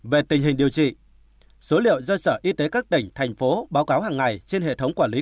về tình hình điều trị số liệu do sở y tế các tỉnh thành phố báo cáo hàng ngày trên hệ thống quản lý